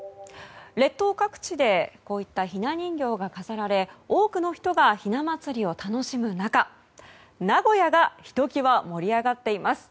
列島各地でひな人形が飾られ多くの人がひな祭りを楽しむ中名古屋がひときわ盛り上がっています。